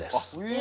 え！